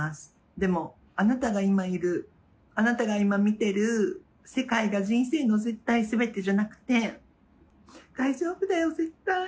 でも、あなたが今いる、あなたが今見てる世界が人生の絶対すべてじゃなくて、大丈夫だよ、絶対。